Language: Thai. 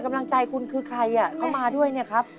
กำลังใจคุณคือใครเข้ามาด้วยเนี่ยครับ